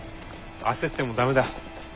焦っても駄目だ。